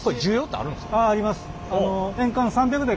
あああります。